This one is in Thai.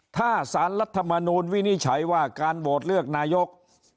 ถ้าสารรัฐมนูลวินิจฉัยว่าการโหวตเลือกนายก